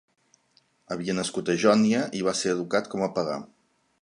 Havia nascut a Jònia i va ser educat com a pagà.